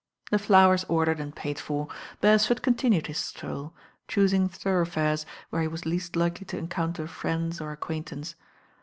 The flowers ordered and paid for, Bcresford con tinued his stroll, choosing thoroughfares where he was least likely to encounter friends or acquaintance.